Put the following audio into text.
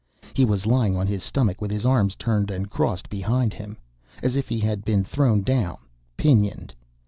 He was lying on his stomach with his arms turned and crossed behind him, as if he had been thrown down pinioned.